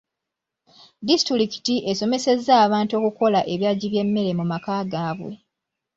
Disitulikiti esomesezza abantu okukola ebyagi by'emmere mu maka gaabwe.